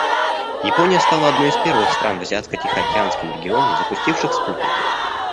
Япония стала одной из первых стран в Азиатско-Тихоокеанском регионе, запустивших спутники.